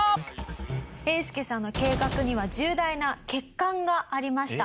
えーすけさんの計画には重大な欠陥がありました。